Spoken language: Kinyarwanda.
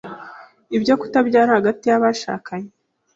ibyo kutabyara hagati y’abashakanye